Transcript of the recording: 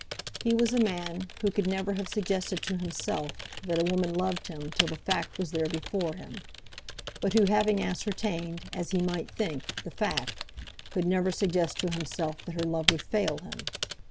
He was a man who could never have suggested to himself that a woman loved him till the fact was there before him; but who having ascertained, as he might think, the fact, could never suggest to himself that her love would fail him.